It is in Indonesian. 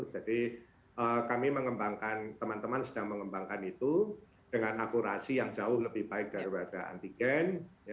jadi kami mengembangkan teman teman sedang mengembangkan itu dengan akurasi yang jauh lebih baik daripada antigen